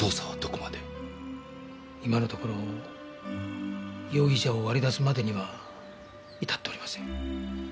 今のところ容疑者を割り出すまでには至っておりません。